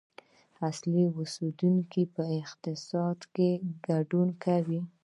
اصلي اوسیدونکي په اقتصاد کې ګډون کوي.